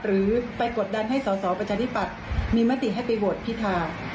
หรือไปกดดันให้สอสอประชาธิปัตย์มีมติให้ไปโหวตพิธา